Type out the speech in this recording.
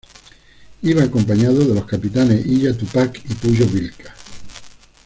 Iba acompañado de los capitanes Illa Túpac y Puyo Vilca.